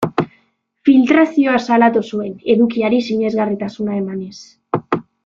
Filtrazioa salatu zuen, edukiari sinesgarritasuna emanez.